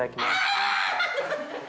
あ！